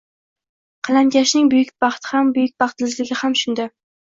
qalamkashning buyuk baxti ham, buyuk baxtsizligi ham shunda!